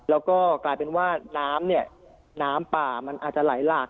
แล้วก็กลายเป็นว่าน้ำป่ามันอาจจะไหลลาก